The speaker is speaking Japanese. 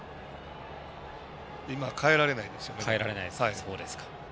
今、代えられないですね。